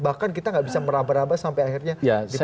bahkan kita nggak bisa merabah rabah sampai akhirnya diputuskan